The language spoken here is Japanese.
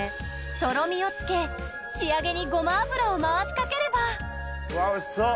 とろみをつけ仕上げにごま油を回しかければうわおいしそう！